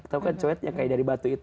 tau kan coetnya kayak dari batu itu